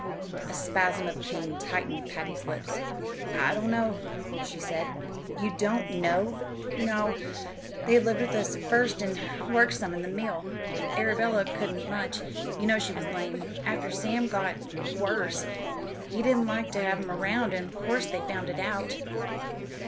A spasm of pain tightened Patty's lips. "I don't know," she said. "You don't know!" "No. They lived with us at first, an' worked some in the mill. Arabella couldn't much; you know she was lame. After Sam got worse, he didn't like ter have 'em 'round, an' 'course they found it out.